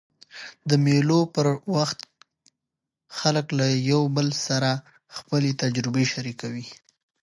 د مېلو پر وخت خلک له یو بل سره خپلي تجربې شریکوي.